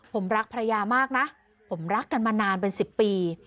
ผมรักภรรยามากนะผมรักกันมานานเป็น๑๐ปี